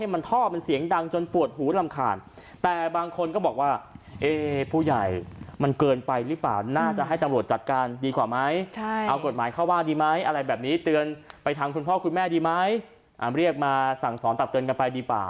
แบบนี้เตือนไปทางคุณพ่อคุณแม่ดีไหมเรียกมาสั่งสอนตับเตือนกันไปดีเปล่า